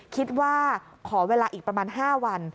คิดว่าขอเวลาอีกประมาณ๕วัน